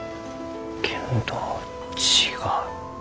けんど違う。